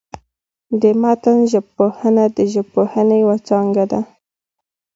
د متن ژبپوهنه، د ژبپوهني یوه څانګه ده.